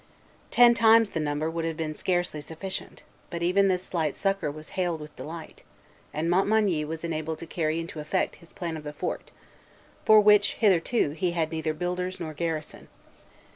Ten times the number would have been scarcely sufficient; but even this slight succor was hailed with delight, and Montmagny was enabled to carry into effect his plan of the fort, for which hitherto he had had neither builders nor garrison.